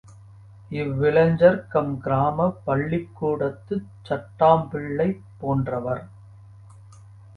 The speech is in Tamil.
இவ்விளைஞர் கம் கிராமப் பள்ளிக்கூடத்துச் சட்டாம்பிள்ளைப் போன்றவர்.